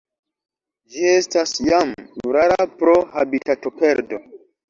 Ĝi estas jam rara pro habitatoperdo.